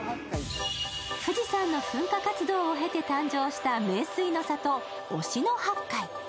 富士山の噴火活動を経て誕生した名水の里・忍野八海。